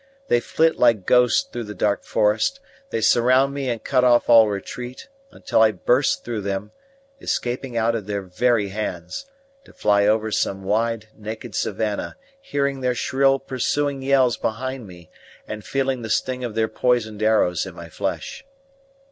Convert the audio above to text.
They flit like ghosts through the dark forest; they surround me and cut off all retreat, until I burst through them, escaping out of their very hands, to fly over some wide, naked savannah, hearing their shrill, pursuing yells behind me, and feeling the sting of their poisoned arrows in my flesh.